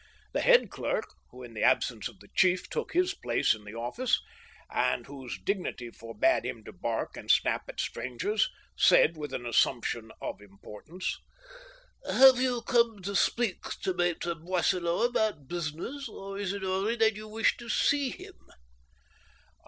The head clerk, who in the absence of the chief took his place in the office, and whose dignity forbade him to bark and snap at strangers, said, with an assumption of importance :" Have you come to speak to Maitre Boisselot about business, or is it only that you wish to see him